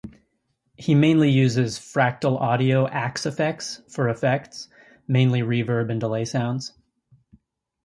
He also uses a Fractal Audio Axe-Fx for effects, mainly reverb and delay sounds.